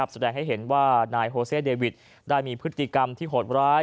แสดงให้เห็นว่านายโฮเซเดวิดได้มีพฤติกรรมที่โหดร้าย